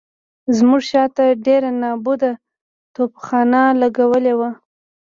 زموږ شاته ډېره نابوده توپخانه لګولې وه.